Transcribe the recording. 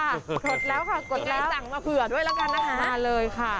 หมดแล้วค่ะกดไลน์สั่งมาเผื่อด้วยแล้วกันนะคะมาเลยค่ะ